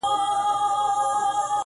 زما له زړه یې جوړه کړې خېلخانه ده،